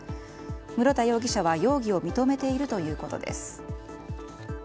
室田容疑者は容疑を認めているということです。